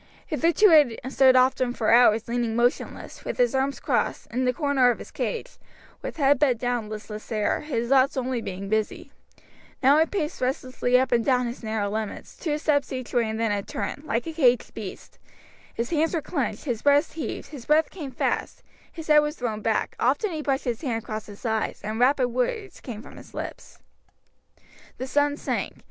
Hitherto he had stood often for hours leaning motionless, with his arms crossed, in the corner of his cage, with head bent down and listless air, his thoughts only being busy; now he paced restlessly up and down his narrow limits, two steps each way and then a turn, like a caged beast; his hands were clenched, his breast heaved, his breath came fast, his head was thrown back, often he brushed his hand across his eyes, and rapid words came from his lips. The sun sank.